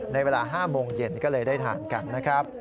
ในเวลา๕โมงเย็นก็เลยได้ทานกันนะครับ